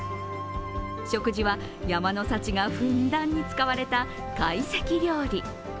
食事は山の幸がふんだんに使われた懐石料理。